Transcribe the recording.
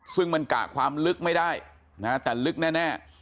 ซึ่งมันกะความลึกไม่ได้นะฮะแต่ลึกแน่